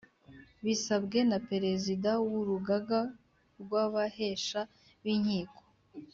Bisabwe na Perezida w Urugaga rw Abahesha binkiko